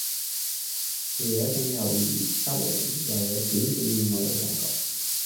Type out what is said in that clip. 佢哋有一種友誼得嚟又有少少戀愛嘅感覺